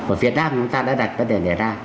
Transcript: ở việt nam chúng ta đã đặt các đề này ra